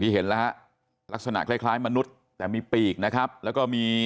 เห็นแล้วฮะลักษณะคล้ายคล้ายมนุษย์แต่มีปีกนะครับแล้วก็มี